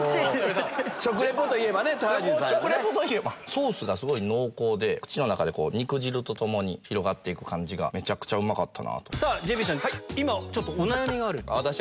ソースがすごい濃厚で口の中で肉汁とともに広がってく感じがうまかった。